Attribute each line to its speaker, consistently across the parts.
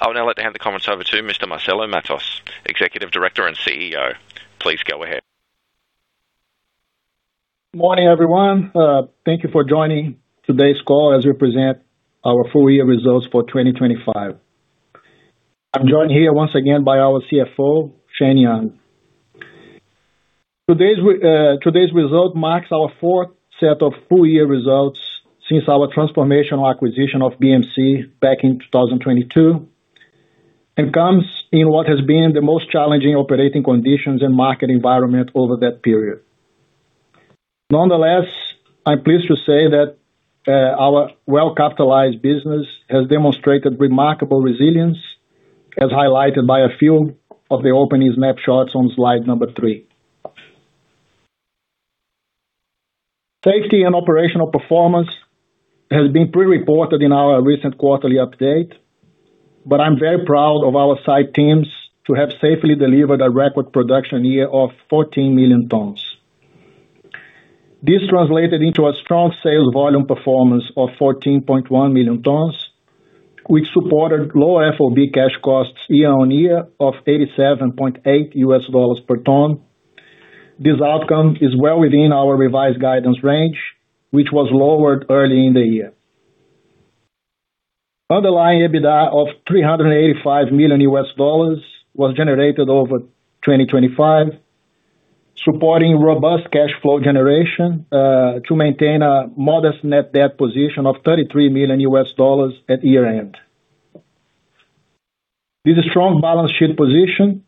Speaker 1: I'll now like to hand the comments over to Mr. Marcelo Matos, Executive Director and CEO. Please go ahead.
Speaker 2: Good morning, everyone. Thank you for joining today's call as we present our full year results for 2025. I'm joined here once again by our CFO, Shane Young. Today's result marks our fourth set of full year results since our transformational acquisition of BMC back in 2022, and comes in what has been the most challenging operating conditions and market environment over that period. Nonetheless, I'm pleased to say that our well-capitalized business has demonstrated remarkable resilience, as highlighted by a few of the opening snapshots on Slide 3. Safety and operational performance has been pre-reported in our recent quarterly update, but I'm very proud of our site teams to have safely delivered a record production year of 14 million tons. This translated into a strong sales volume performance of 14.1 million tons, which supported low FOB cash costs year on year of $87.8 per ton. This outcome is well within our revised guidance range, which was lowered early in the year. Underlying EBITDA of $385 million was generated over 2025, supporting robust cash flow generation to maintain a modest net debt position of $33 million at year-end. This strong balance sheet position,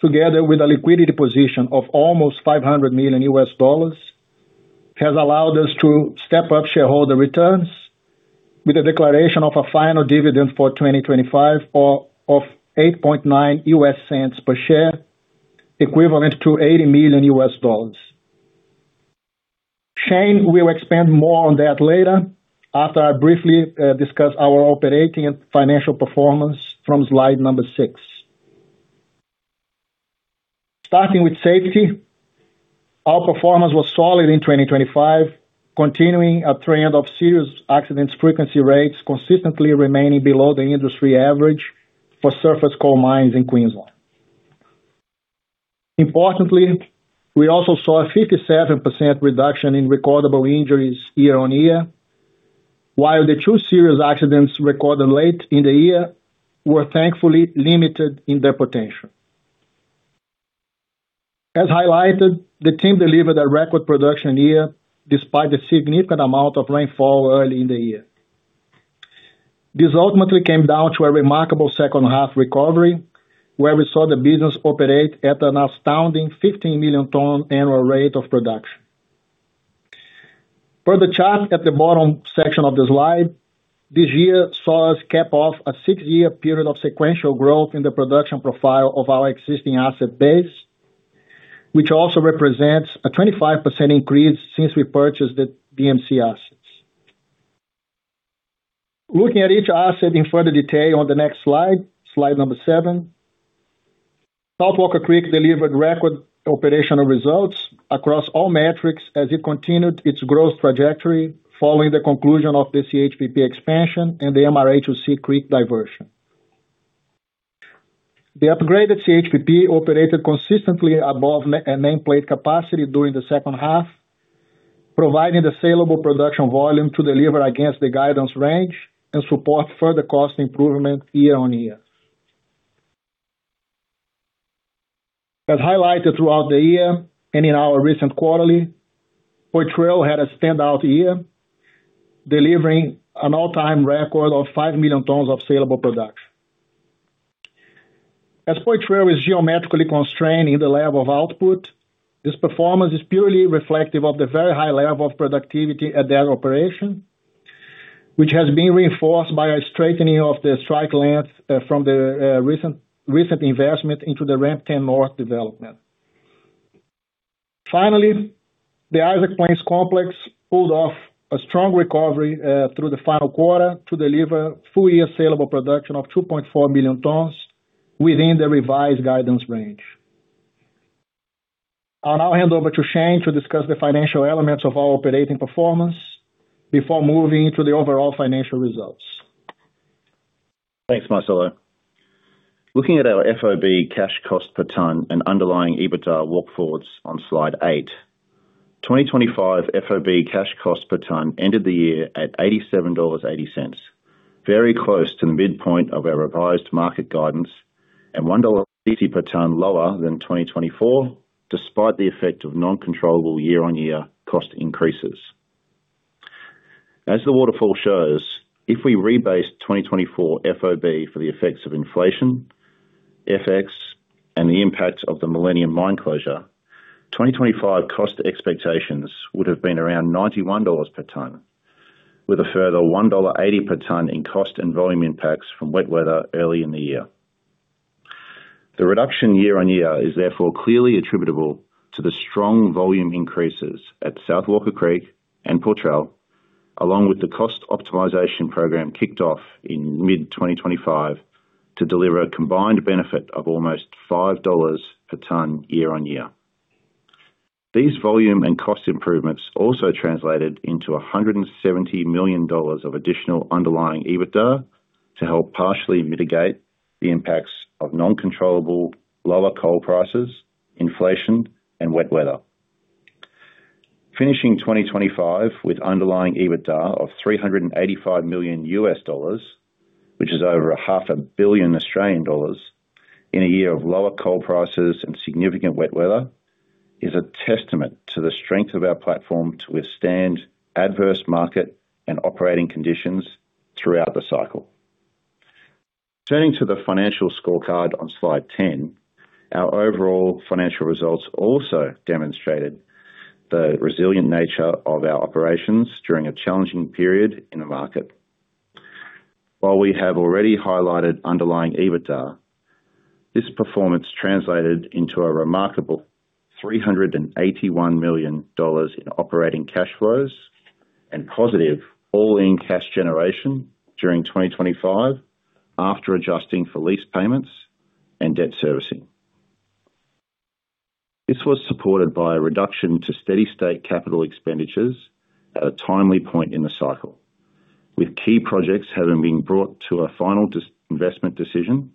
Speaker 2: together with a liquidity position of almost $500 million, has allowed us to step up shareholder returns with a declaration of a final dividend for 2025 of, of $0.089 per share, equivalent to $80 million. Shane will expand more on that later, after I briefly discuss our operating and financial performance from Slide 6. Starting with safety, our performance was solid in 2025, continuing a trend of serious accidents frequency rates consistently remaining below the industry average for surface coal mines in Queensland. Importantly, we also saw a 57% reduction in recordable injuries year-on-year, while the 2 serious accidents recorded late in the year were thankfully limited in their potential. As highlighted, the team delivered a record production year despite the significant amount of rainfall early in the year. This ultimately came down to a remarkable H2 recovery, where we saw the business operate at an astounding 15 million ton annual rate of production. Per the chart at the bottom section of the Slide, this year saw us cap off a six-year period of sequential growth in the production profile of our existing asset base, which also represents a 25% increase since we purchased the BMC assets. Looking at each asset in further detail on the next Slide, Slide number 7. South Walker Creek delivered record operational results across all metrics as it continued its growth trajectory following the conclusion of the CHPP expansion and the MRA2C Creek diversion. The upgraded CHPP operated consistently above a nameplate capacity during the H2, providing the salable production volume to deliver against the guidance range and support further cost improvement year on year. As highlighted throughout the year and in our recent quarterly, Poitrel had a standout year, delivering an all-time record of 5 million tons of salable production. As Poitrel is geometrically constrained in the level of output, this performance is purely reflective of the very high level of productivity at that operation, which has been reinforced by a straightening of the strike length from the recent investment into the Ramp 10 North development. Finally, the Isaac Plains Complex pulled off a strong recovery through the final quarter to deliver full year salable production of 2.4 million tons within the revised guidance range. I'll now hand over to Shane to discuss the financial elements of our operating performance before moving into the overall financial results.
Speaker 1: Thanks, Marcelo. Looking at our FOB cash cost per ton and underlying EBITDA walk forwards on Slide 8. 2025 FOB cash cost per ton ended the year at 87.80 dollars, very close to the midpoint of our revised market guidance, and 1.80 dollar per ton lower than 2024, despite the effect of non-controllable year-on-year cost increases. As the waterfall shows, if we rebased 2024 FOB for the effects of inflation, FX, and the impact of the Millennium mine closure, 2025 cost expectations would have been around 91 dollars per ton, with a further 1.80 dollar per ton in cost and volume impacts from wet weather early in the year. The reduction year-on-year is therefore clearly attributable to the strong volume increases at South Walker Creek and Poitrel, along with the cost optimization program kicked off in mid-2025 to deliver a combined benefit of almost $5 per ton year-on-year. These volume and cost improvements also translated into $170 million of additional underlying EBITDA to help partially mitigate the impacts of non-controllable lower coal prices, inflation, and wet weather. Finishing 2025 with underlying EBITDA of $385 million, which is over 500 million Australian dollars, in a year of lower coal prices and significant wet weather, is a testament to the strength of our platform to withstand adverse market and operating conditions throughout the cycle. Turning to the financial scorecard on Slide 10, our overall financial results also demonstrated the resilient nature of our operations during a challenging period in the market. While we have already highlighted underlying EBITDA, this performance translated into a remarkable $381 million in operating cash flows and positive all-in cash generation during 2025, after adjusting for lease payments and debt servicing. This was supported by a reduction to steady state capital expenditures at a timely point in the cycle, with key projects having been brought to a final investment decision,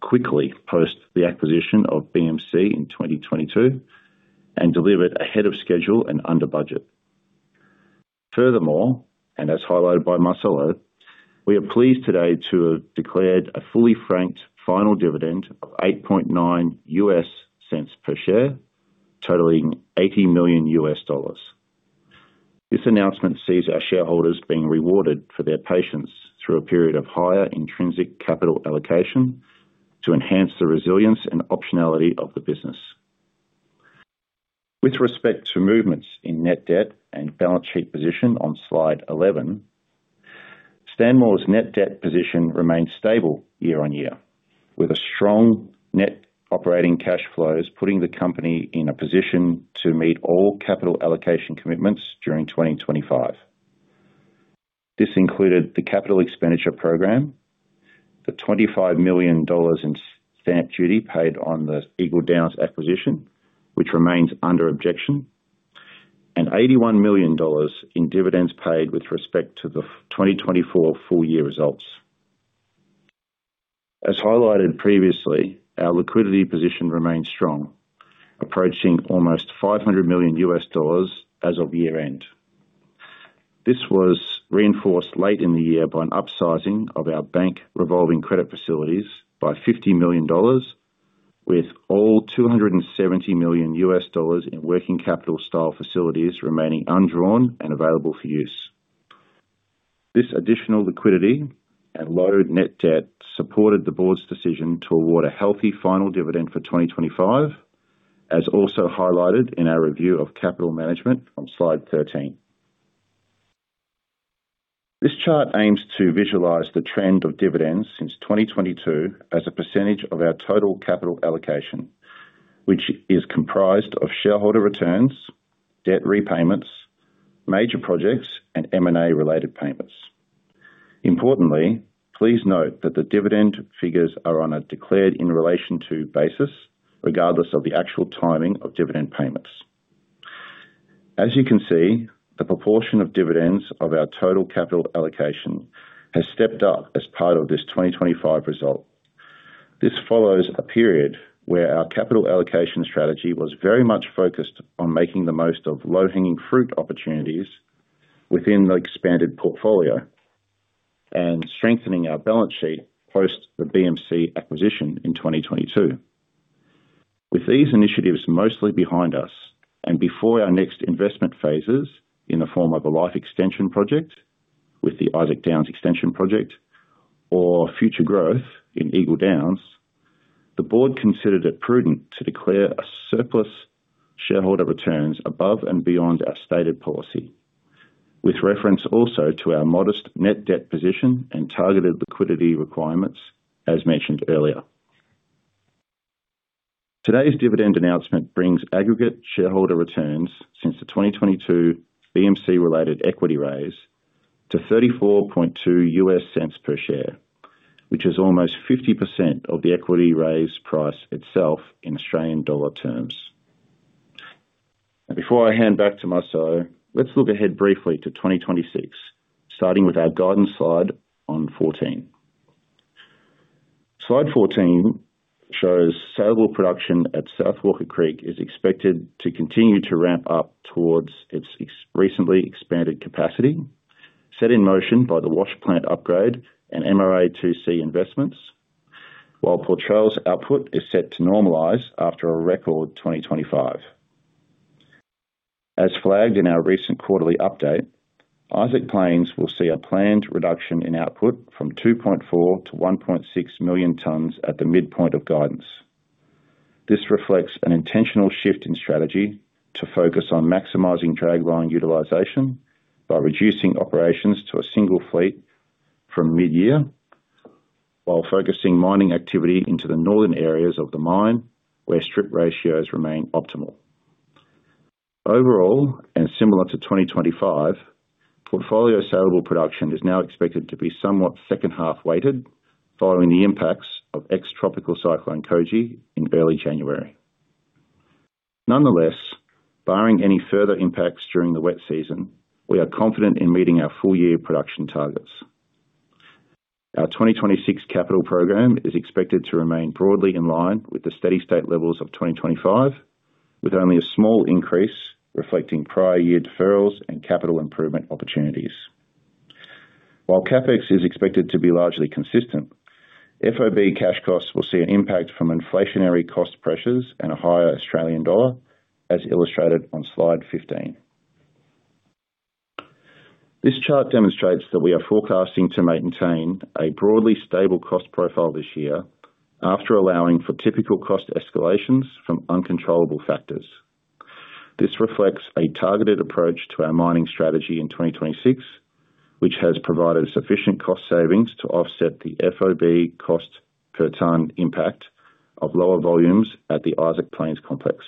Speaker 1: quickly post the acquisition of BMC in 2022, and delivered ahead of schedule and under budget. Furthermore, as highlighted by Marcelo, we are pleased today to have declared a fully franked final dividend of $0.089 per share, totaling $80 million. This announcement sees our shareholders being rewarded for their patience through a period of higher intrinsic capital allocation, to enhance the resilience and optionality of the business. With respect to movements in net debt and balance sheet position on Slide 11, Stanmore's net debt position remains stable year-on-year, with a strong net operating cash flows, putting the company in a position to meet all capital allocation commitments during 2025. This included the capital expenditure program, the $25 million in stamp duty paid on the Eagle Downs acquisition, which remains under objection, and $81 million in dividends paid with respect to the 2024 full year results. As highlighted previously, our liquidity position remains strong, approaching almost $500 million US dollars as of year-end. This was reinforced late in the year by an upsizing of our bank revolving credit facilities by $50 million, with all $270 million in working capital style facilities remaining undrawn and available for use. This additional liquidity and lower net debt supported the board's decision to award a healthy final dividend for 2025, as also highlighted in our review of capital management on Slide 13. This chart aims to visualize the trend of dividends since 2022 as a % of our total capital allocation, which is comprised of shareholder returns, debt repayments, major projects, and M&A-related payments. Importantly, please note that the dividend figures are on a declared in relation to basis, regardless of the actual timing of dividend payments. As you can see, the proportion of dividends of our total capital allocation has stepped up as part of this 2025 result. This follows a period where our capital allocation strategy was very much focused on making the most of low-hanging fruit opportunities within the expanded portfolio, and strengthening our balance sheet, post the BMC acquisition in 2022. With these initiatives mostly behind us, and before our next investment phases, in the form of a life extension project, with the Isaac Downs Extension project or future growth in Eagle Downs, the board considered it prudent to declare a surplus shareholder returns above and beyond our stated policy, with reference also to our modest net debt position and targeted liquidity requirements, as mentioned earlier. Today's dividend announcement brings aggregate shareholder returns since the 2022 BMC-related equity raise to $0.342 per share, which is almost 50% of the equity raise price itself in Australian dollar terms. Before I hand back to Marcelo, let's look ahead briefly to 2026, starting with our guidance Slide on 14. Slide 14 shows saleable production at South Walker Creek is expected to continue to ramp up towards its ex- recently expanded capacity, set in motion by the wash plant upgrade and MRA2C investments. While Poitrel output is set to normalize after a record 2025. As flagged in our recent quarterly update, Isaac Plains will see a planned reduction in output from 2.4 million tons-1.6 million tons at the midpoint of guidance. This reflects an intentional shift in strategy to focus on maximizing dragline utilization by reducing operations to a single fleet from mid-year, while focusing mining activity into the northern areas of the mine, where strip ratios remain optimal. Overall, similar to 2025. Portfolio saleable production is now expected to be somewhat second-half weighted, following the impacts of ex-tropical cyclone Kirrily in early January. Nonetheless, barring any further impacts during the wet season, we are confident in meeting our full-year production targets. Our 2026 capital program is expected to remain broadly in line with the steady-state levels of 2025, with only a small increase reflecting prior year deferrals and capital improvement opportunities. While CapEx is expected to be largely consistent, FOB cash costs will see an impact from inflationary cost pressures and a higher Australian dollar, as illustrated on Slide 15. This chart demonstrates that we are forecasting to maintain a broadly stable cost profile this year after allowing for typical cost escalations from uncontrollable factors. This reflects a targeted approach to our mining strategy in 2026, which has provided sufficient cost savings to offset the FOB cost per ton impact of lower volumes at the Isaac Plains Complex.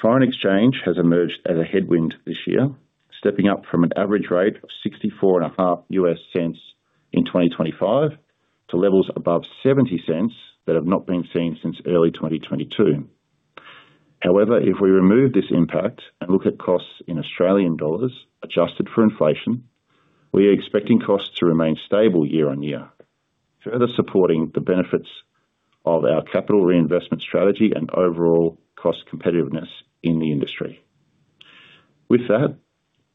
Speaker 1: Foreign exchange has emerged as a headwind this year, stepping up from an average rate of 64.5 US cents in 2025 to levels above 70 US cents that have not been seen since early 2022. However, if we remove this impact and look at costs in Australian dollars adjusted for inflation, we are expecting costs to remain stable year-on-year, further supporting the benefits of our capital reinvestment strategy and overall cost competitiveness in the industry. With that,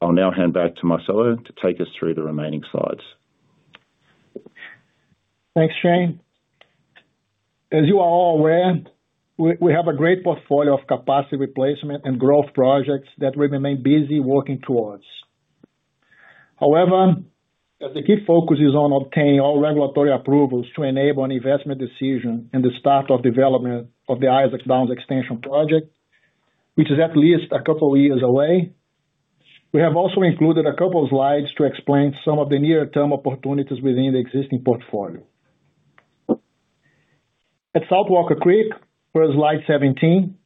Speaker 1: I'll now hand back to Marcelo to take us through the remaining Slides.
Speaker 2: Thanks, Shane. As you are all aware, we have a great portfolio of capacity replacement and growth projects that we remain busy working towards. As the key focus is on obtaining all regulatory approvals to enable an investment decision and the start of development of the Isaac Downs Extension project, which is at least a couple years away, we have also included a couple of Slides to explain some of the near-term opportunities within the existing portfolio. At South Walker Creek, for Slide 17,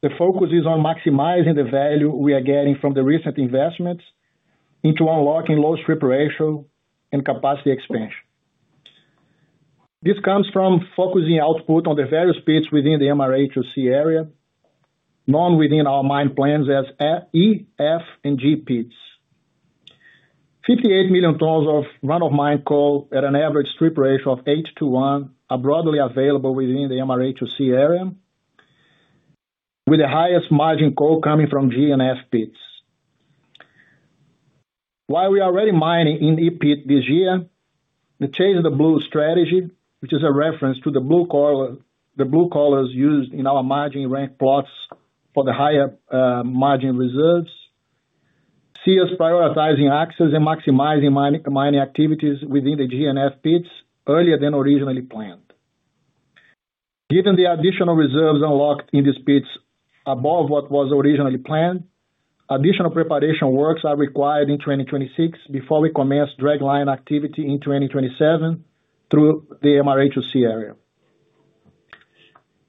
Speaker 2: the focus is on maximizing the value we are getting from the recent investments into unlocking low strip ratio and capacity expansion. This comes from focusing output on the various pits within the MRA2C area, known within our mine plans as E, F, and G pits. 58 million tons of run-of-mine coal at an average strip ratio of 8 to 1, are broadly available within the MRA2C area, with the highest margin coal coming from G and F pits. While we are already mining in E pit this year, the Chase the Blue strategy, which is a reference to the blue collar, the blue collars used in our margin rank plots for the higher margin reserves, see us prioritizing access and maximizing mining, mining activities within the G and F pits earlier than originally planned. Given the additional reserves unlocked in these pits above what was originally planned, additional preparation works are required in 2026 before we commence dragline activity in 2027 through the MRA2C area.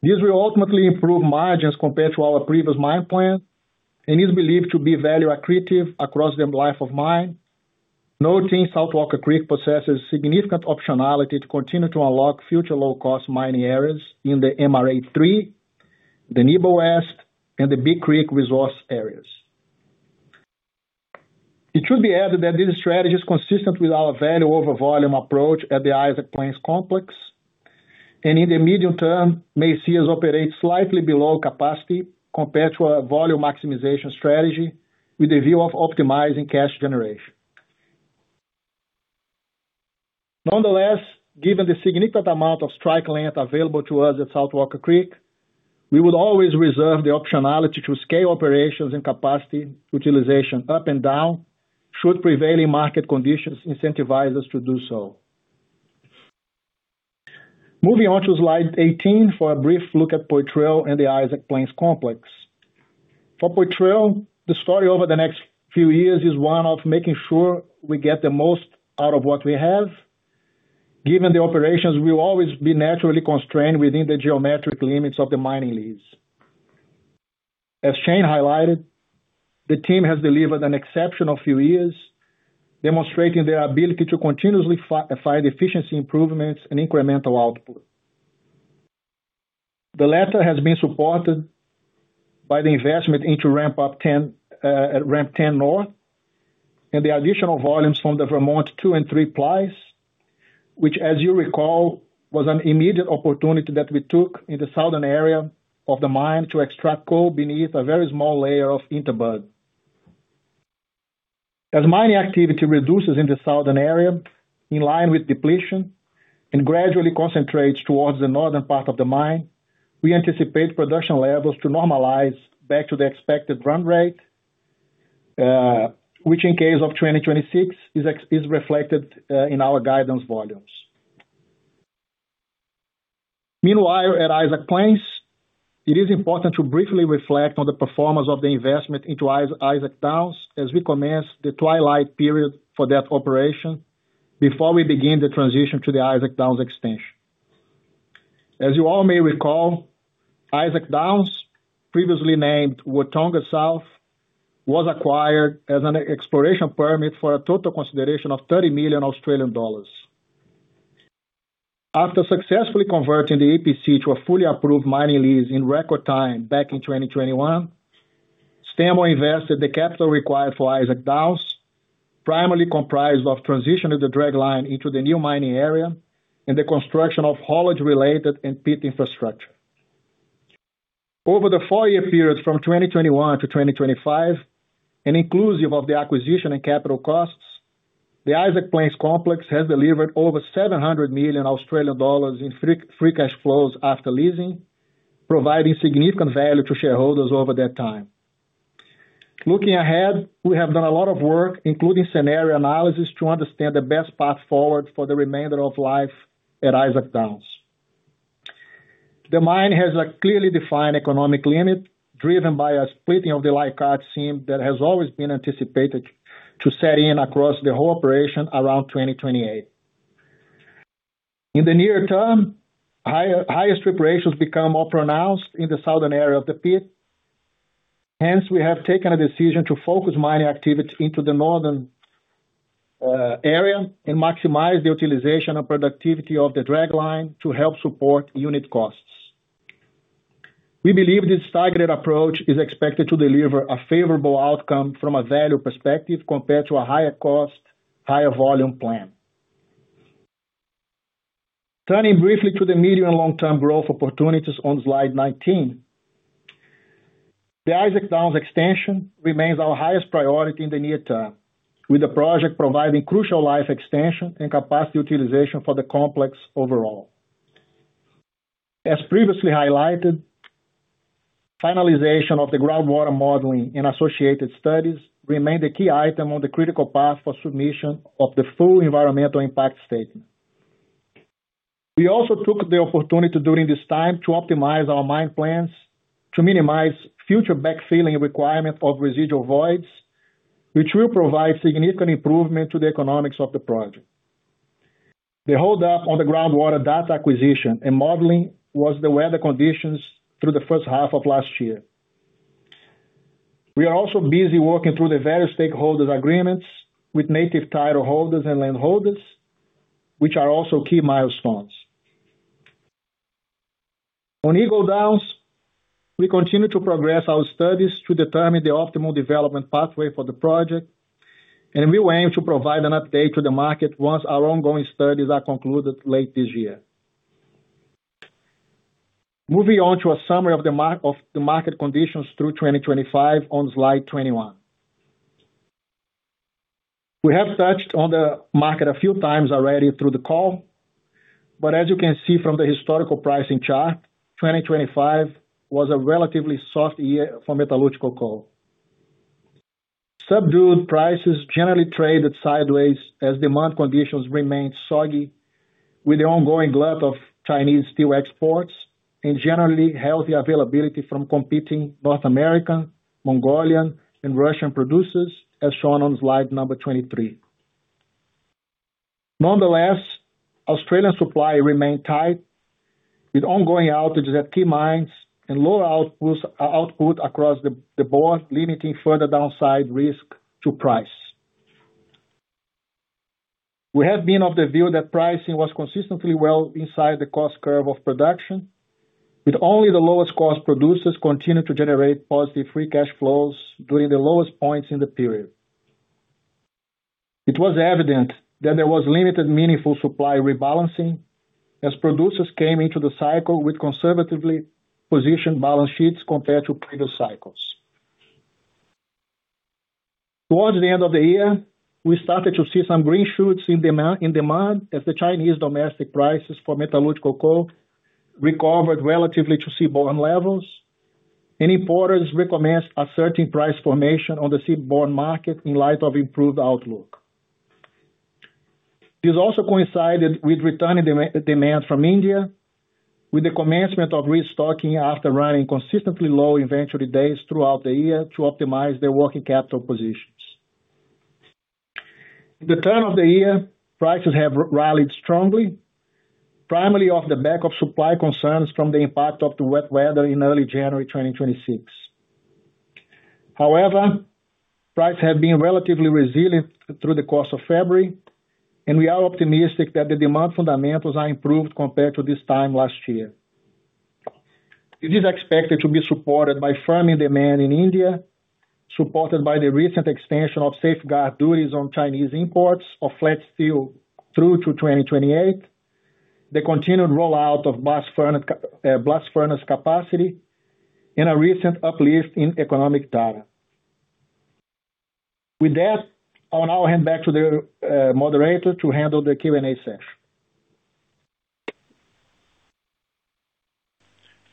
Speaker 2: This will ultimately improve margins compared to our previous mine plan and is believed to be value accretive across the life of mine. Noting South Walker Creek possesses significant optionality to continue to unlock future low-cost mining areas in the MRA Three, the Nebo West, and the Big Creek resource areas. It should be added that this strategy is consistent with our value over volume approach at the Isaac Plains Complex, and in the medium term, may see us operate slightly below capacity compared to our volume maximization strategy, with a view of optimizing cash generation. Nonetheless, given the significant amount of strike length available to us at South Walker Creek, we would always reserve the optionality to scale operations and capacity utilization up and down, should prevailing market conditions incentivize us to do so. Moving on to Slide 18 for a brief look at Poitrel and the Isaac Plains Complex. For Poitrel, the story over the next few years is one of making sure we get the most out of what we have, given the operations will always be naturally constrained within the geometric limits of the mining lease. As Shane highlighted, the team has delivered an exceptional few years, demonstrating their ability to continuously find efficiency improvements and incremental output. The latter has been supported by the investment into ramp up 10 at Ramp Ten North, and the additional volumes from the Vermont 2 and 3 plies, which, as you recall, was an immediate opportunity that we took in the southern area of the mine to extract coal beneath a very small layer of interbed. As mining activity reduces in the southern area, in line with depletion, and gradually concentrates towards the northern part of the mine, we anticipate production levels to normalize back to the expected run rate, which in case of 2026, is reflected in our guidance volumes. Meanwhile, at Isaac Plains, it is important to briefly reflect on the performance of the investment into Isaac Downs as we commence the twilight period for that operation before we begin the transition to the Isaac Downs Extension. As you all may recall, Isaac Downs, previously named Watonga South, was acquired as an exploration permit for a total consideration of 30 million Australian dollars. After successfully converting the EPC to a fully approved mining lease in record time back in 2021, Stanmore invested the capital required for Isaac Downs, primarily comprised of transitioning the dragline into the new mining area and the construction of haulage-related and pit infrastructure. Over the 4-year period from 2021 to 2025, and inclusive of the acquisition and capital costs, the Isaac Plains Complex has delivered over 700 million Australian dollars in free, free cash flows after leasing, providing significant value to shareholders over that time. Looking ahead, we have done a lot of work, including scenario analysis, to understand the best path forward for the remainder of life at Isaac Downs. The mine has a clearly defined economic limit, driven by a splitting of the Leichhardt seam that has always been anticipated to set in across the whole operation around 2028. In the near term, highest reparations become more pronounced in the southern area of the pit. We have taken a decision to focus mining activity into the northern area and maximize the utilization and productivity of the dragline to help support unit costs. We believe this targeted approach is expected to deliver a favorable outcome from a value perspective compared to a higher cost, higher volume plan. Turning briefly to the medium and long-term growth opportunities on Slide 19. The Isaac Downs Extension remains our highest priority in the near term, with the project providing crucial life extension and capacity utilization for the complex overall. As previously highlighted, finalization of the groundwater modeling and associated studies remain the key item on the critical path for submission of the full environmental impact statement. We also took the opportunity during this time to optimize our mine plans, to minimize future backfilling requirement of residual voids, which will provide significant improvement to the economics of the project. The hold up on the groundwater data acquisition and modeling was the weather conditions through the H1 of last year. We are also busy working through the various stakeholder agreements with native title holders and land holders, which are also key milestones. On Eagle Downs, we continue to progress our studies to determine the optimal development pathway for the project. We will aim to provide an update to the market once our ongoing studies are concluded late this year. Moving on to a summary of the market conditions through 2025 on Slide 21. We have touched on the market a few times already through the call. As you can see from the historical pricing chart, 2025 was a relatively soft year for metallurgical coal. Subdued prices generally traded sideways as demand conditions remained soggy, with the ongoing glut of Chinese steel exports and generally healthy availability from competing North American, Mongolian, and Russian producers, as shown on Slide number 23. Nonetheless, Australian supply remained tight, with ongoing outages at key mines and lower output across the board, limiting further downside risk to price. We have been of the view that pricing was consistently well inside the cost curve of production, with only the lowest cost producers continuing to generate positive free cash flows during the lowest points in the period. It was evident that there was limited meaningful supply rebalancing as producers came into the cycle with conservatively positioned balance sheets compared to previous cycles. Towards the end of the year, we started to see some green shoots in demand as the Chinese domestic prices for metallurgical coal recovered relatively to seaborne levels, and importers recommenced asserting price formation on the seaborne market in light of improved outlook. This also coincided with returning demand from India, with the commencement of restocking after running consistently low inventory days throughout the year to optimize their working capital positions. In the turn of the year, prices have rallied strongly, primarily off the back of supply concerns from the impact of the wet weather in early January 2026. However, prices have been relatively resilient through the course of February, and we are optimistic that the demand fundamentals are improved compared to this time last year. It is expected to be supported by firming demand in India, supported by the recent extension of safeguard duties on Chinese imports of flat steel through to 2028, the continued rollout of blast furnace capacity, and a recent uplift in economic data. With that, I'll now hand back to the moderator to handle the Q&A session.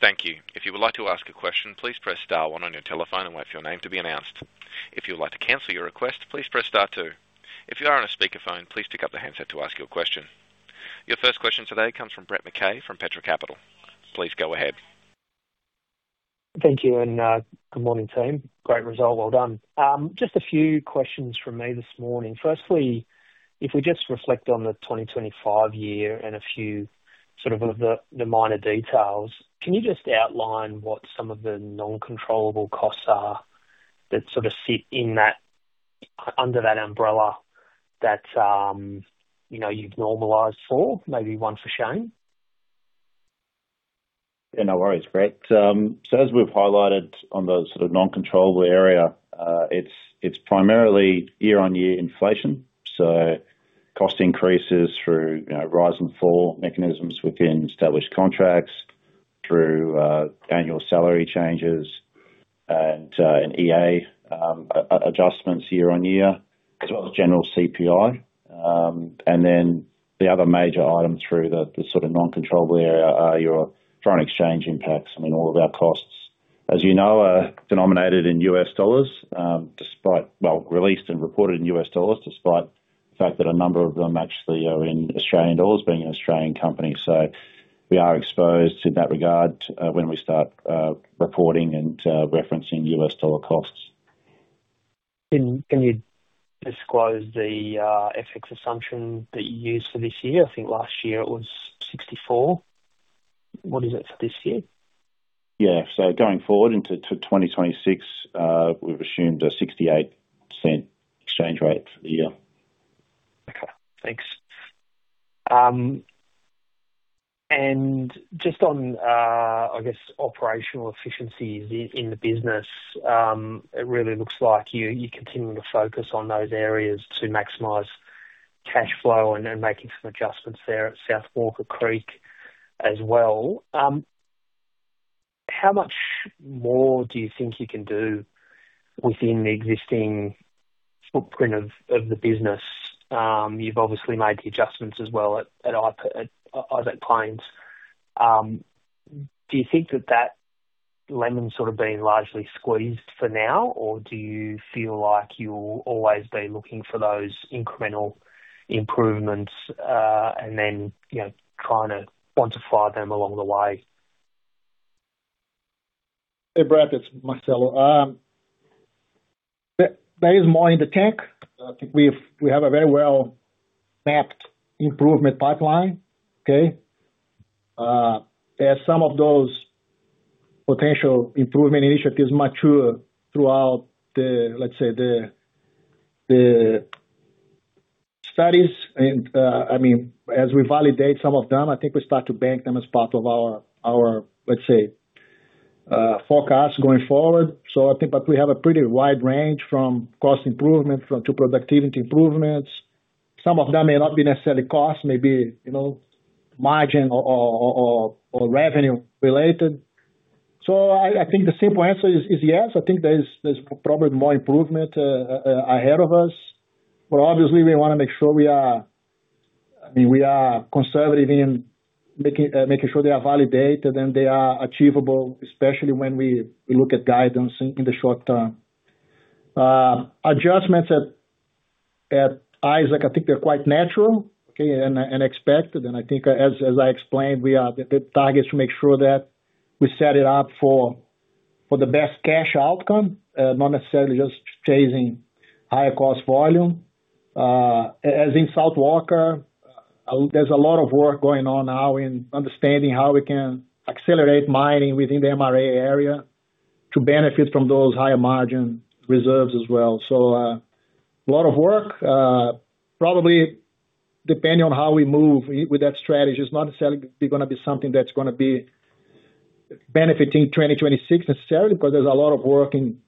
Speaker 3: Thank you. If you would like to ask a question, please press star one on your telephone and wait for your name to be announced. If you would like to cancel your request, please press star two. If you are on a speakerphone, please pick up the handset to ask your question. Your first question today comes from Brett McKay, from Petra Capital. Please go ahead.
Speaker 4: Thank you, good morning, team. Great result, well done. Just a few questions from me this morning. Firstly, if we just reflect on the 2025 year and a few, sort of, the, the minor details, can you just outline what some of the non-controllable costs are, that sort of, sit in that, under that umbrella that, you know, you've normalized for? Maybe one for Shane.
Speaker 1: Yeah, no worries, Greg. As we've highlighted on the sort of non-controllable area, it's primarily year-on-year inflation. Cost increases through, you know, rise and fall mechanisms within established contracts, through annual salary changes, and an EA adjustments year-on-year, as well as general CPI. Then the other major item through the sort of non-controllable area are your foreign exchange impacts. I mean, all of our costs, as you know, are denominated in U.S. dollars, despite... Well, released and reported in U.S. dollars, despite the fact that a number of them actually are in Australian dollars, being an Australian company. We are exposed in that regard, when we start reporting and referencing U.S. dollar costs.
Speaker 4: Can you disclose the FX assumption that you used for this year? I think last year it was 64. What is it for this year?
Speaker 1: Yeah. Going forward into 2026, we've assumed an 0.68 exchange rate for the year.
Speaker 4: Okay, thanks. Just on, I guess, operational efficiencies in, in the business, it really looks like you, you're continuing to focus on those areas to maximize cash flow and then making some adjustments there at South Walker Creek as well. How much more do you think you can do within the existing footprint of, of the business? You've obviously made the adjustments as well at Isaac Plains. Do you think that that lemon sort of been largely squeezed for now, or do you feel like you'll always be looking for those incremental improvements, and then, you know, trying to quantify them along the way?
Speaker 2: Hey, Brad, it's Marcelo. There, there is more in the tank. I think we have a very well-mapped improvement pipeline. Okay? As some of those potential improvement initiatives mature throughout the, let's say, the, the studies and, I mean, as we validate some of them, I think we start to bank them as part of our, our, let's say, forecast going forward. I think that we have a pretty wide range from cost improvement from, to productivity improvements. Some of them may not be necessarily cost, maybe, you know, margin or, or, or, or revenue related. I think the simple answer is yes, I think there's probably more improvement ahead of us, but obviously, we want to make sure we are, I mean, we are conservative in making sure they are validated, and they are achievable, especially when we look at guidance in the short term. Adjustments at Isaac, I think they're quite natural, okay, and expected, and I think as I explained, we are, the target is to make sure that we set it up for the best cash outcome, not necessarily just chasing higher cost volume. As in South Walker, there's a lot of work going on now in understanding how we can accelerate mining within the MRA area to benefit from those higher margin reserves as well. A lot of work, probably depending on how we move with that strategy, it's not necessarily gonna be something that's gonna be benefiting 2026 necessarily, but there's a lot of work in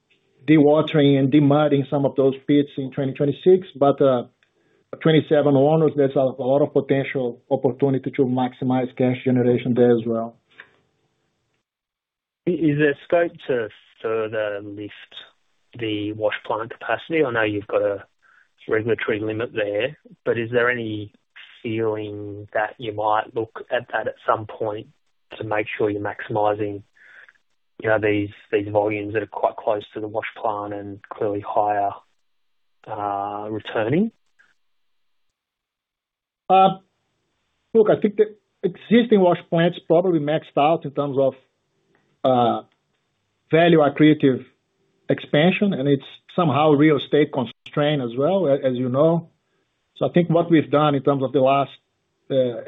Speaker 2: dewatering and demudding some of those pits in 2026. 2027 onwards, there's a lot of potential opportunity to maximize cash generation there as well.
Speaker 4: Is there scope to further lift the wash plant capacity? I know you've got a regulatory limit there, but is there any feeling that you might look at that at some point to make sure you're maximizing, you know, these, these volumes that are quite close to the wash plant and clearly higher, returning?
Speaker 2: Look, I think the existing wash plant's probably maxed out in terms of value accretive expansion, and it's somehow real estate constraint as well, as you know. I think what we've done in terms of the last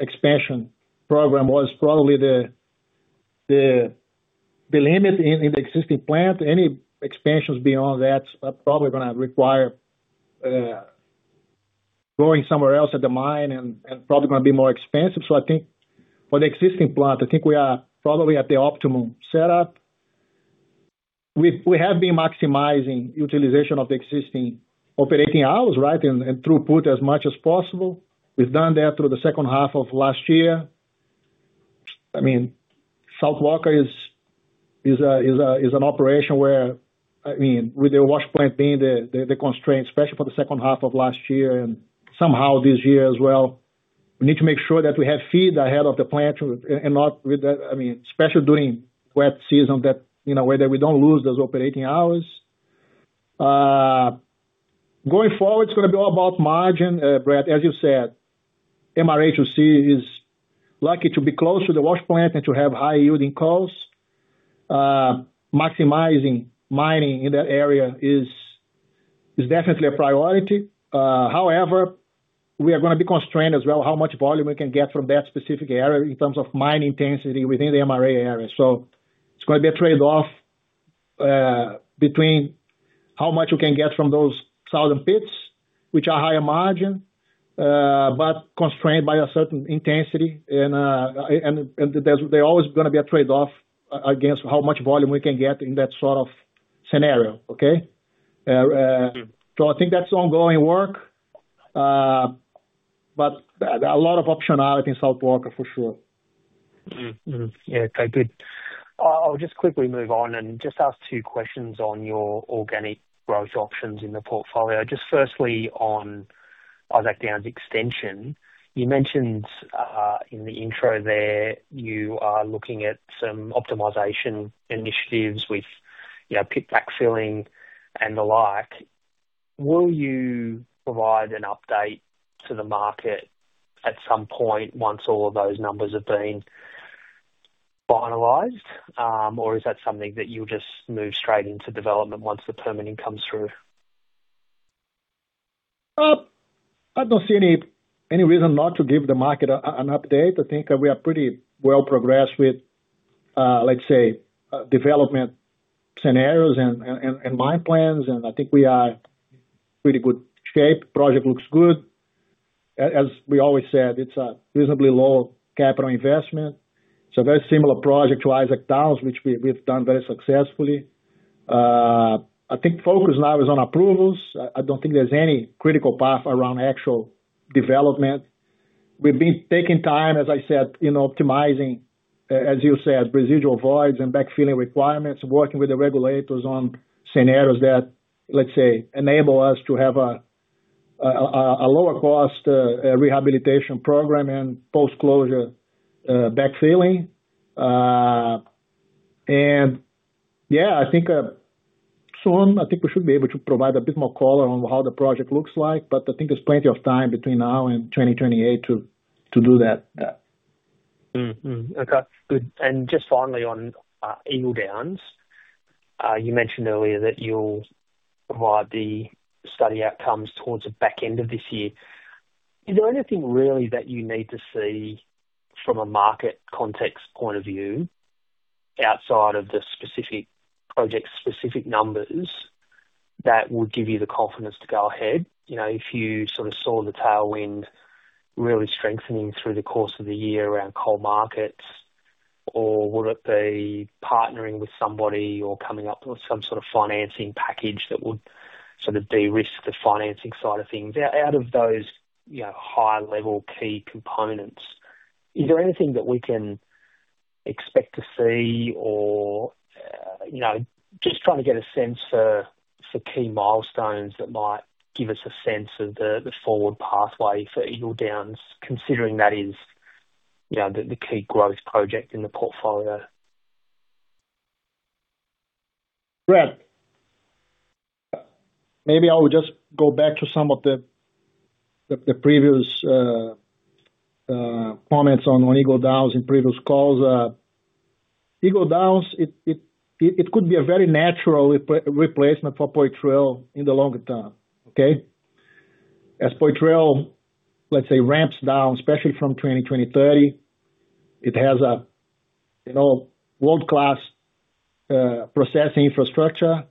Speaker 2: expansion program was probably the, the, the limit in the existing plant. Any expansions beyond that are probably gonna require going somewhere else at the mine and probably gonna be more expensive. I think for the existing plant, I think we are probably at the optimum setup. We have been maximizing utilization of the existing operating hours, right? And throughput as much as possible. We've done that through the H2 of last year. I mean, South Walker is an operation where, I mean, with the wash plant being the constraint, especially for the H2 of last year and somehow this year as well. We need to make sure that we have feed ahead of the plant. I mean, especially during wet season, that, you know, whether we don't lose those operating hours. Going forward, it's gonna be all about margin. Brad, as you said, MRA2C is lucky to be close to the wash plant and to have high-yielding coals. Maximizing mining in that area is definitely a priority. However, we are gonna be constrained as well, how much volume we can get from that specific area in terms of mining intensity within the MRA area. It's gonna be a trade-off between how much you can get from those 1,000 pits, which are higher margin, but constrained by a certain intensity, and, and there's, there's always gonna be a trade-off against how much volume we can get in that sort of scenario. Okay? So I think that's ongoing work, but a lot of optionality in South Walker, for sure.
Speaker 4: Yeah, okay, good. I'll just quickly move on and just ask two questions on your organic growth options in the portfolio. Just firstly, on Isaac Downs Extension. You mentioned, in the intro there, you are looking at some optimization initiatives with, you know, pit backfilling and the like. Will you provide an update to the market at some point once all of those numbers have been finalized? Is that something that you'll just move straight into development once the permitting comes through?
Speaker 2: I don't see any, any reason not to give the market a, an update. I think we are pretty well progressed with, let's say, development scenarios and mine plans. I think we are pretty good shape. Project looks good. As we always said, it's a reasonably low capital investment, so very similar project to Isaac Downs, which we, we've done very successfully. I think focus now is on approvals. I, I don't think there's any critical path around actual development. We've been taking time, as I said, in optimizing, as you said, residual voids and backfilling requirements, working with the regulators on scenarios that, let's say, enable us to have a lower cost rehabilitation program and post-closure backfilling. Yeah, I think, soon, I think we should be able to provide a bit more color on how the project looks like, but I think there's plenty of time between now and 2028 to, to do that.
Speaker 4: Okay, good. Just finally, on Eagle Downs. You mentioned earlier that you'll provide the study outcomes towards the back end of this year. Is there anything really that you need to see from a market context point of view, outside of the specific project, specific numbers, that would give you the confidence to go ahead? You know, if you sort of saw the tailwind really strengthening through the course of the year around coal markets, or would it be partnering with somebody or coming up with some sort of financing package that would sort of de-risk the financing side of things? Out of those, you know, high-level key components, is there anything that we can expect to see or, you know, just trying to get a sense for, for key milestones that might give us a sense of the, the forward pathway for Eagle Downs, considering that is, you know, the, the key growth project in the portfolio?
Speaker 2: Brad, maybe I would just go back to some of the previous comments on Eagle Downs in previous calls. Eagle Downs, it could be a very natural replacement for Poitrel in the longer term. Okay? As Poitrel, let's say, ramps down, especially from 2030, it has a, you know, world-class processing infrastructure.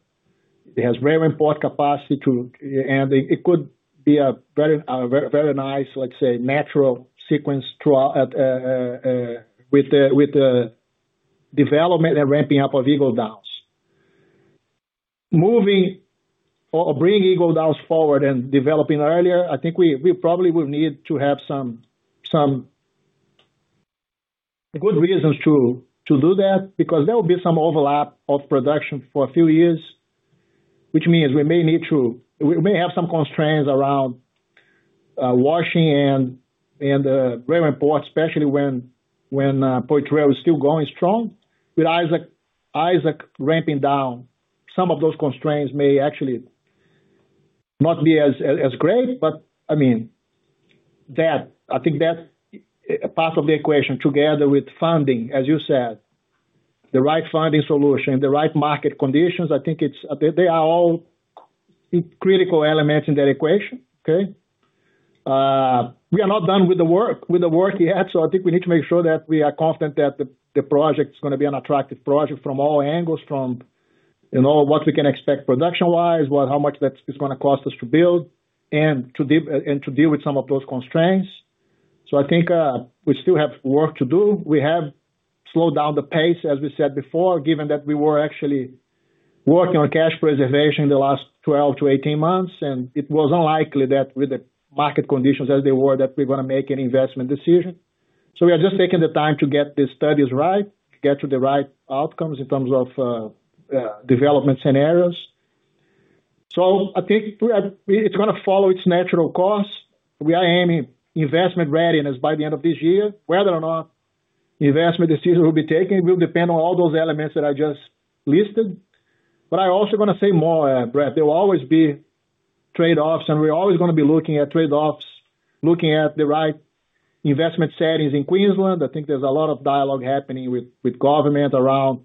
Speaker 2: It has very important capacity to and it could be a very, very nice, let's say, natural sequence to with the development and ramping up of Eagle Downs. Moving or bringing Eagle Downs forward and developing earlier, I think we, we probably will need to have some, some good reasons to, to do that, because there will be some overlap of production for a few years, which means we may have some constraints around washing and very important, especially when, when Poitrel is still going strong. With Isaac ramping down, some of those constraints may actually not be as, as great, but I mean, I think that part of the equation, together with funding, as you said, the right funding solution, the right market conditions, I think they are all critical elements in that equation. Okay? We are not done with the work, with the work yet, so I think we need to make sure that we are confident that the, the project is gonna be an attractive project from all angles, from, you know, how much that's, it's gonna cost us to build, and to deal, and to deal with some of those constraints. I think we still have work to do. We have slowed down the pace, as we said before, given that we were actually working on cash preservation in the last 12 to 18 months, and it was unlikely that with the market conditions as they were, that we're gonna make any investment decision. We are just taking the time to get the studies right, get to the right outcomes in terms of development scenarios. I think it's gonna follow its natural course. We are aiming investment readiness by the end of this year, whether or not, investment decision will be taken will depend on all those elements that I just listed. I also going to say more, Brad, there will always be trade-offs, and we're always gonna be looking at trade-offs, looking at the right investment settings in Queensland. I think there's a lot of dialogue happening with, with government around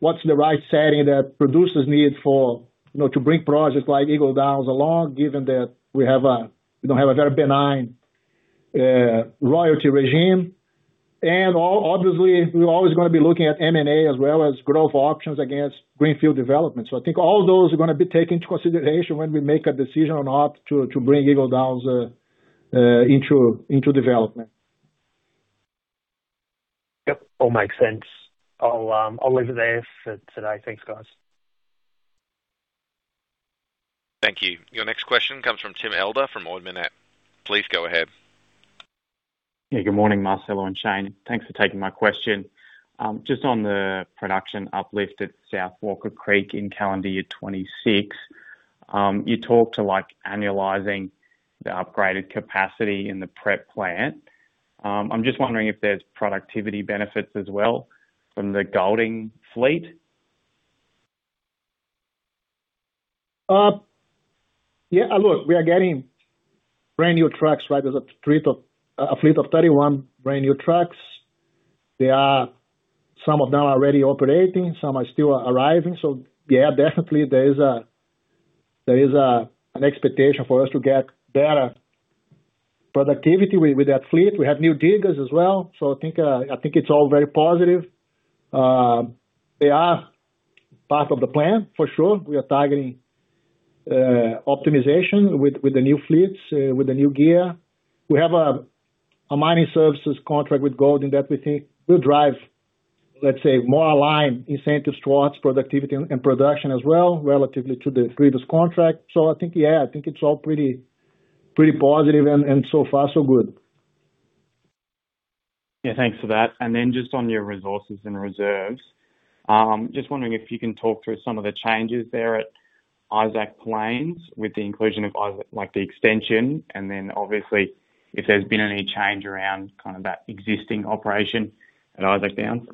Speaker 2: what's the right setting that producers need for, you know, to bring projects like Eagle Downs along, given that we don't have a very benign royalty regime. Obviously, we're always gonna be looking at M&A as well as growth options against greenfield development. I think all those are gonna be taken into consideration when we make a decision on ought to, to bring Eagle Downs, into, into development.
Speaker 4: Yep, all makes sense. I'll leave it there for today. Thanks, guys.
Speaker 3: Thank you. Your next question comes from Tim Elder, from Ord Minnett. Please go ahead.
Speaker 5: Yeah. Good morning, Marcelo and Shane. Thanks for taking my question. Just on the production uplift at South Walker Creek in calendar year 2026. I'm just wondering if there's productivity benefits as well from the Golding fleet?
Speaker 2: Yeah, look, we are getting brand-new trucks, right? There's a fleet of 31 brand-new trucks. They are. Some of them are already operating, some are still arriving, so yeah, definitely there is an expectation for us to get better productivity with that fleet. We have new diggers as well, so I think, I think it's all very positive. They are part of the plan for sure. We are targeting, optimization with the new fleets, with the new gear. We have a mining services contract with Golding that we think will drive, let's say, more aligned incentives towards productivity and production as well, relatively to the previous contract. I think, yeah, I think it's all pretty, pretty positive and so far, so good.
Speaker 5: Yeah. Thanks for that. Then just on your resources and reserves, just wondering if you can talk through some of the changes there at Isaac Plains with the inclusion of Isaac, the extension, and then obviously, if there's been any change around that existing operation at Isaac Downs?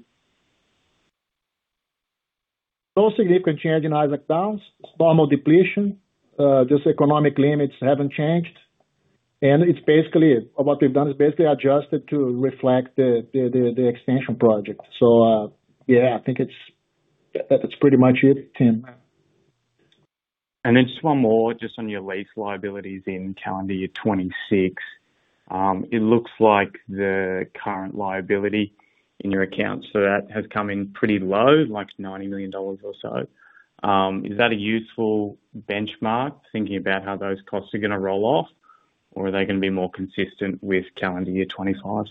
Speaker 2: No significant change in Isaac Downs. Normal depletion, just economic limits haven't changed. It's basically, what we've done is basically adjusted to reflect the, the, the, the extension project. Yeah, I think it's, that's pretty much it, Tim.
Speaker 5: Just one more, just on your lease liabilities in calendar year 2026. It looks like the current liability in your accounts, so that has come in pretty low, like 90 million dollars or so. Is that a useful benchmark, thinking about how those costs are gonna roll off, or are they gonna be more consistent with calendar year 2025?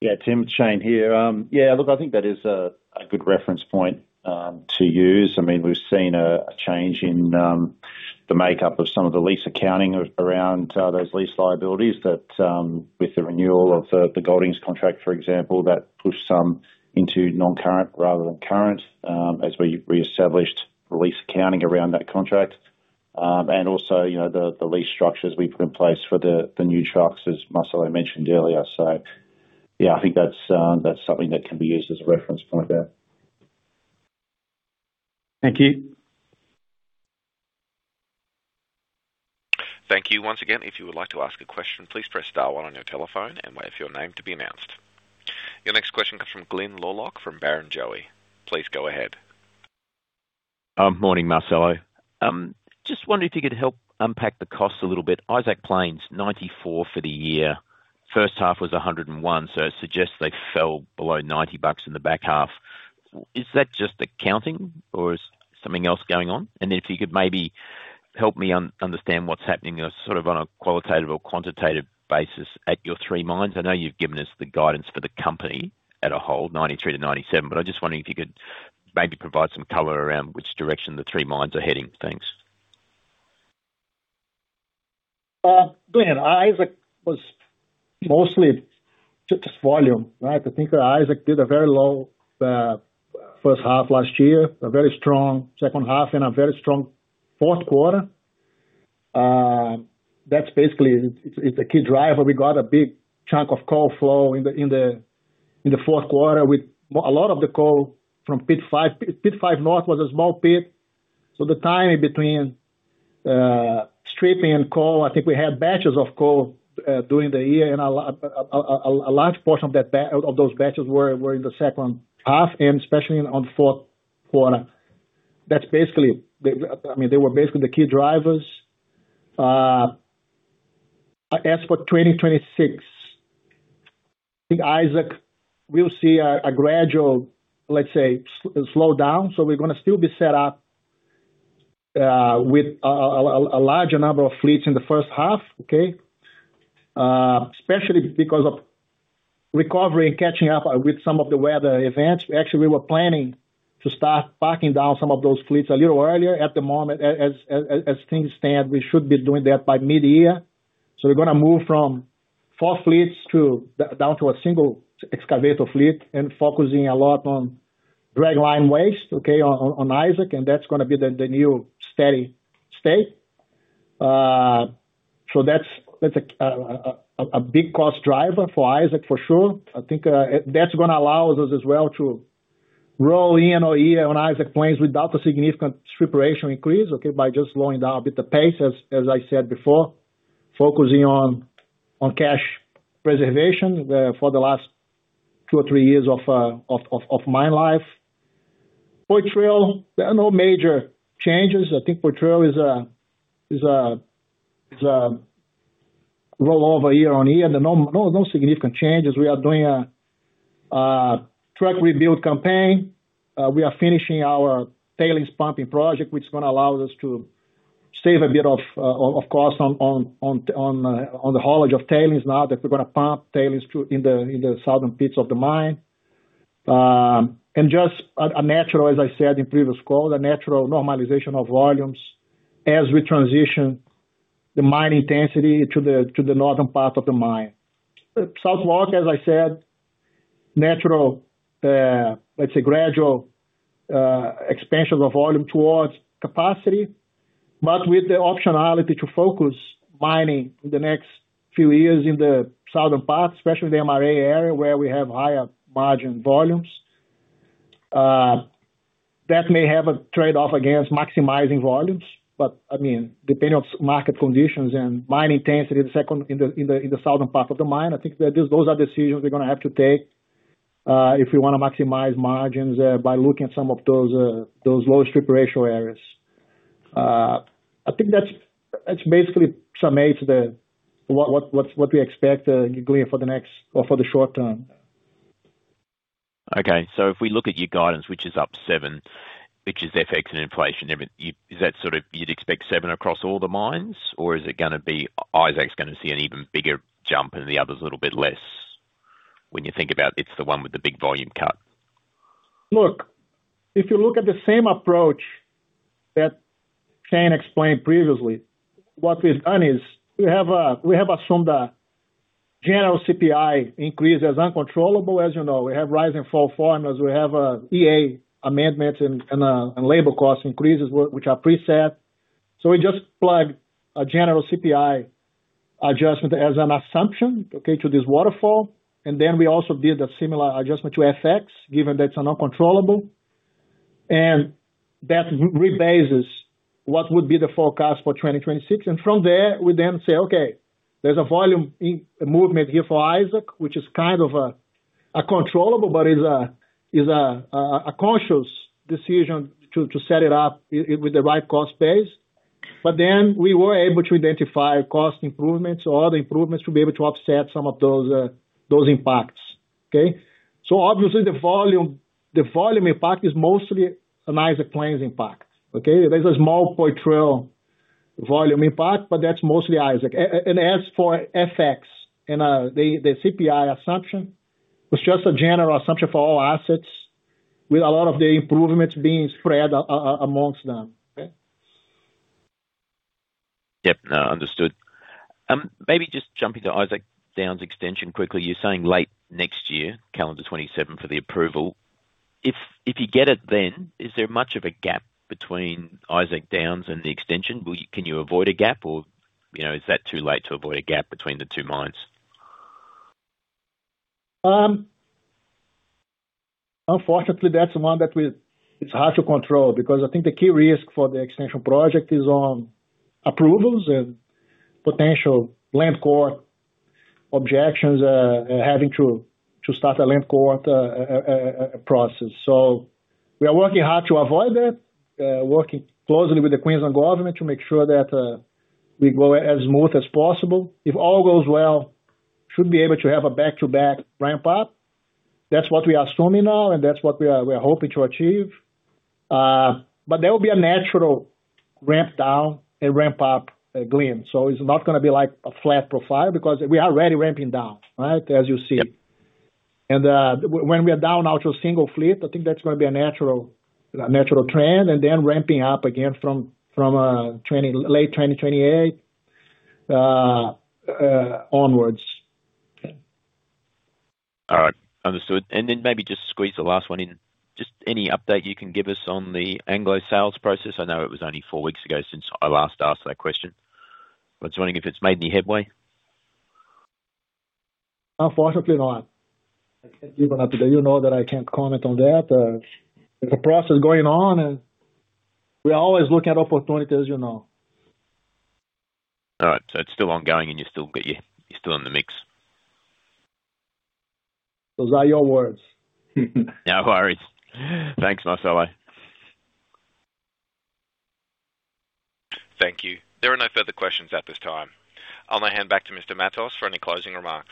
Speaker 1: Yeah. Tim, Shane here. Yeah, look, I think that is a good reference point to use. I mean, we've seen a change in the makeup of some of the lease accounting around those lease liabilities that, with the renewal of the Golding contract, for example, that pushed some into non-current rather than current, as we reestablished the lease accounting around that contract. Also, you know, the lease structures we put in place for the new trucks, as Marcelo mentioned earlier. Yeah, I think that's something that can be used as a reference point there.
Speaker 5: Thank you.
Speaker 3: Thank you once again, if you would like to ask a question, please press star one on your telephone and wait for your name to be announced. Your next question comes from Glyn Lawcock, from Barrenjoey. Please go ahead.
Speaker 6: Morning, Marcelo. Just wondering if you could help unpack the costs a little bit. Isaac Plains, 94 for the year, H1 was 101, so it suggests they fell below 90 bucks in the back half. Is that just accounting or is something else going on? Then if you could maybe help me un-understand what's happening in a sort of on a qualitative or quantitative basis at your three mines. I know you've given us the guidance for the company as a whole, 93-97, I'm just wondering if you could maybe provide some color around which direction the three mines are heading. Thanks.
Speaker 2: Glyn, Isaac was mostly just volume, right? I think that Isaac did a very low, H1 last year, a very strong H2, and a very strong fourth quarter. That's basically, it's, it's a key driver. We got a big chunk of coal flow in the, in the, in the fourth quarter, with a lot of the coal from pit five. Pit five north was a small pit, so the timing between, stripping and coal, I think we had batches of coal during the year, and a large portion of those batches were, were in the H2 and especially on fourth quarter. That's basically, the, I mean, they were basically the key drivers. As for 2026, I think Isaac will see a gradual, let's say, slow down. We're gonna still be set up with a larger number of fleets in the H1, okay? Especially because of recovery and catching up with some of the weather events. We actually were planning to start backing down some of those fleets a little earlier. At the moment, as things stand, we should be doing that by mid-year. We're gonna move from 4 fleets down to a 1 excavator fleet and focusing a lot on dragline waste, okay, on Isaac, and that's gonna be the new steady state. That's, that's a big cost driver for Isaac, for sure. I think that's gonna allow us as well to roll in on year on Isaac Plains without a significant strip ratio increase, okay, by just slowing down a bit, the pace, as, as I said before, focusing on, on cash preservation for the last two or three years of mine life. Poitrel, there are no major changes. I think Poitrel is a roll over, year on year, no significant changes. We are doing a truck rebuild campaign. We are finishing our tailings pumping project, which is gonna allow us to save a bit of cost on the haulage of tailings. Now that we're gonna pump tailings in the southern pits of the mine. Just a natural, as I said, in previous call, a natural normalization of volumes as we transition the mine intensity to the northern part of the mine. South Walk, as I said, natural, let's say gradual expansion of volume towards capacity, but with the optionality to focus mining in the next few years in the southern part, especially the MRA area, where we have higher margin volumes. That may have a trade-off against maximizing volumes, but I mean, depending on market conditions and mine intensity, in the southern part of the mine, I think that those are decisions we're gonna have to take if we wanna maximize margins by looking at some of those low strip ratio areas. I think that's, that's basically summates what we expect clear for the next or for the short term.
Speaker 6: Okay. If we look at your guidance, which is up 7%, which is FX and inflation, is that sort of you'd expect 7% across all the mines, or is it gonna be Isaac's gonna see an even bigger jump and the others a little bit less? When you think about it, it's the one with the big volume cut.
Speaker 2: Look, if you look at the same approach that Shane explained previously, what we've done is we have assumed a general CPI increase as uncontrollable. As you know, we have rise and fall formulas. We have EA amendments and labor cost increases, which are preset. We just plugged a general CPI adjustment as an assumption, okay, to this waterfall. Then we also did a similar adjustment to FX, given that's uncontrollable. That rebases what would be the forecast for 2026. From there, we then say, "Okay, there's a volume in movement here for Isaac, which is kind of a controllable, but is a conscious decision to set it up with the right cost base." Then we were able to identify cost improvements or other improvements to be able to offset some of those those impacts. Okay? Obviously, the volume, the volume impact is mostly an Isaac Plains impact, okay? There's a small Poitrel volume impact, but that's mostly Isaac. As for FX and CPI assumption, was just a general assumption for all assets, with a lot of the improvements being spread amongst them. Okay?
Speaker 6: Yep. Now, understood. Maybe just jumping to Isaac Downs Extension quickly. You're saying late next year, calendar 2027, for the approval. If, if you get it, then, is there much of a gap between Isaac Downs and the Extension? Can you avoid a gap or, you know, is that too late to avoid a gap between the two mines?
Speaker 2: Unfortunately, that's one that we-- it's hard to control because I think the key risk for the extension project is on approvals and potential Land Court objections, having to, to start a Land Court process. We are working hard to avoid that, working closely with the Queensland government to make sure that we go as smooth as possible. If all goes well, should be able to have a back-to-back ramp up. That's what we are assuming now, and that's what we are- we're hoping to achieve. There will be a natural ramp down and ramp up, Glen. It's not gonna be like a flat profile, because we are already ramping down, right? As you see.
Speaker 6: Yep.
Speaker 2: When we are down to a single fleet, I think that's gonna be a natural, natural trend, and then ramping up again from, from, late 2028 onwards.
Speaker 6: All right. Understood. Then maybe just squeeze the last one in. Just any update you can give us on the Anglo sales process? I know it was only four weeks ago since I last asked that question. I was wondering if it's made any headway.
Speaker 2: Unfortunately, not. I can't give an update. You know that I can't comment on that. The process is going on. We are always looking at opportunities, you know.
Speaker 6: All right. It's still ongoing and you're still in the mix.
Speaker 2: Those are your words.
Speaker 6: No worries. Thanks, Marcelo.
Speaker 3: Thank you. There are no further questions at this time. I'll now hand back to Mr. Matos for any closing remarks.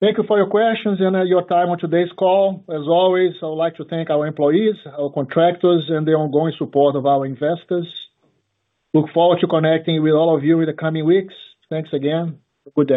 Speaker 2: Thank you for your questions and your time on today's call. As always, I would like to thank our employees, our contractors, and the ongoing support of our investors. Look forward to connecting with all of you in the coming weeks. Thanks again, and good day.